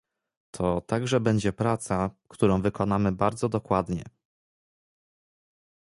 To także będzie praca, którą wykonamy bardzo dokładnie